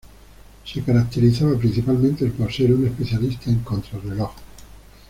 Se caracterizaba principalmente por ser un especialista en contrarreloj.